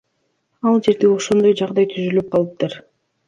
Ал жерде ошондой жагдай түзүлүп калыптыр.